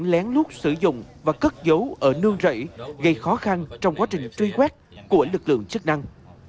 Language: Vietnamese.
lén lút sử dụng và cất dấu ở nương rẫy gây khó khăn trong quá trình truy quét của lực lượng chức năng